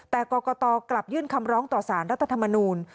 แต่กรกตกลับยื่นคำร้องต่อสารรัฐธรรมนูล